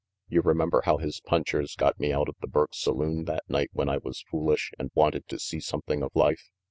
You remember how his punchers got me out of the Burke saloon that night when I was foolish and wanted to see something of life."